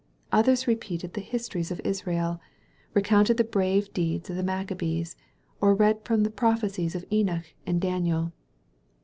Others repeated the histories 298 THE BOY OP NAZARETH DREAMS of Israel, recounted the brave deeds of the Mac cabees, or read from the prophecies of Enoch and Daniel.